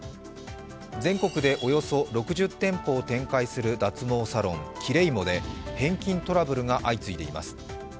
全国でおよそ６０店舗を展開する脱毛サロン・キレイモで返金トラブルが相次いでいます。